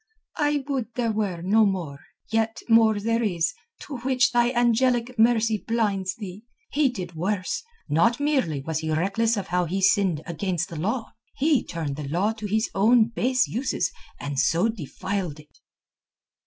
"I would there were no more. Yet more there is, to which thy angelic mercy blinds thee. He did worse. Not merely was he reckless of how he sinned against the law, he turned the law to his own base uses and so defiled it."